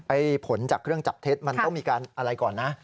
ผลจากเครื่องจับเท็จมันต้องมีการอะไรก่อนนะ